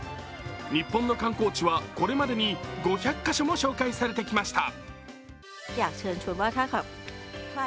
日本の観光地はこれまでに５００か所も紹介されてきました。